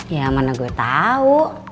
ya mana gue tau